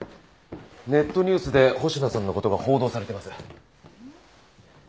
ネットニュースで星野さんの事が報道されてます。